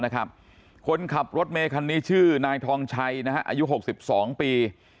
คนขับรถเมคันนี้ชื่อนายทองชัยอายุ๖๒ปี